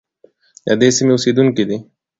د دې سیمې اوسیدونکي دي.